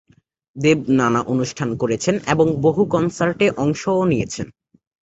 দেব নানা অনুষ্ঠান করেছেন এবং বহু কনসার্টে অংশও নিয়েছেন।